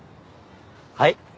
はい？